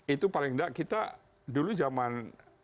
itu paling tidak kita dulu zaman